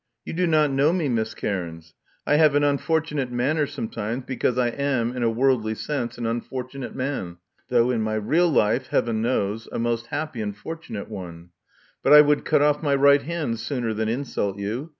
You do not know me, Miss Cairns. I have an unfortimate manner sometimes, because I am, in a worldly sense, an unfortunate man, though in my real life, heaven knows, a most happy and fortunate one. But I would cut off my right hand sooner than insult you.